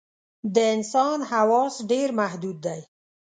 د انسان حواس ډېر محدود دي.